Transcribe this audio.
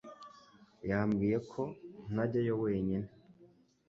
Yambwiye ko ntajyayo wenyine